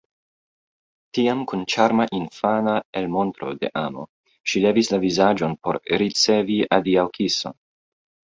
Tiam kun ĉarma infana elmontro de amo ŝi levis la vizaĝon por ricevi adiaŭkison.